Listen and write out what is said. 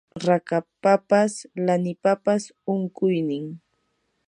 rakapapas lanipapas unquynin